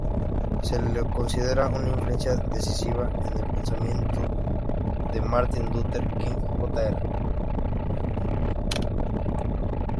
Se lo considera una influencia decisiva en el pensamiento de Martin Luther King, Jr.